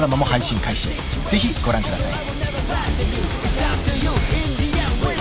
［ぜひご覧ください］